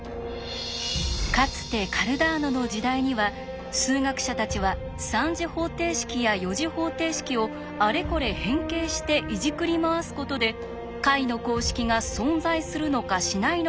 かつてカルダーノの時代には数学者たちは３次方程式や４次方程式をあれこれ変形していじくり回すことで解の公式が存在するのかしないのかを調べていました。